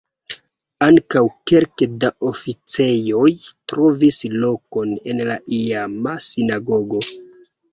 Ankaŭ kelke da oficejoj trovis lokon en la iama sinagogo.